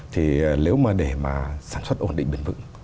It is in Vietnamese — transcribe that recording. thì nếu mà để mà sản xuất ổn định bền vững